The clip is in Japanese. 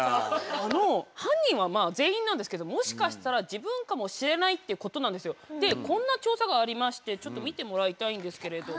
犯人はまあ全員なんですけどもしかしたら自分かもしれないっていうことなんですよ。でこんな調査がありましてちょっと見てもらいたいんですけれども。